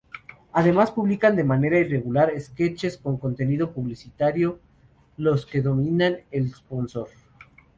Además publican de manera irregular sketches con contenido publicitario a los que denominan "sponsor".